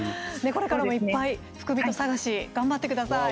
これからも、いっぱいふくびと探し頑張ってください。